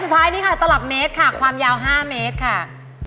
ท้ายนี่ค่ะตลับเมตรค่ะความยาว๕เมตรค่ะ